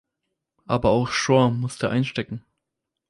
Aber auch Shore musste einstecken.